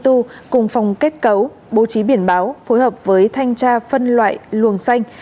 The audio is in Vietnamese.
tu cùng phòng kết cấu bố trí biển báo phối hợp với thanh tra phân loại luồng xanh